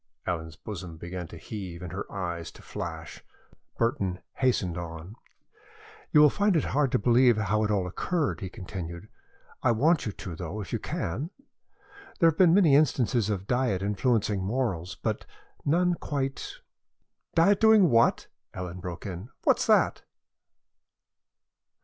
Ellen's bosom began to heave and her eyes to flash. Burton hastened on. "You will find it hard to believe how it all occurred," he continued. "I want you to, though, if you can. There have been many instances of diet influencing morals, but none quite " "Diet doing what?" Ellen broke in. "What's that?"